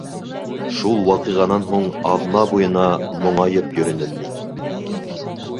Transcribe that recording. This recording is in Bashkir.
Шул ваҡиғанан һуң, аҙна буйына моңайып йөрөнөм мин.